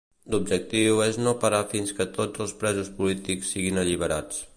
L'objectiu és no parar fins que tots els presos polítics siguin alliberats.